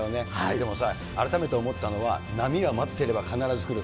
でもさ、改めて思ったのは、波が待ってれば必ず来る。